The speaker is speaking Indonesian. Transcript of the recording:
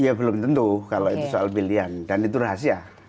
ya belum tentu kalau itu soal pilihan dan itu rahasia